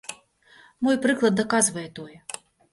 Мой прыклад даказвае тое.